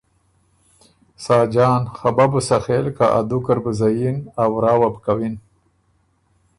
ساجان: خه بۀ بو سخېل که ا دوکه ر بُو زئِن، ا ورا وه بو کوِن